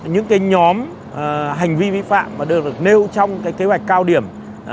những cái nhóm hành vi vi phạm mà được nêu trong cái kế hoạch cao điểm